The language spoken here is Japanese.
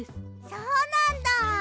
そうなんだ。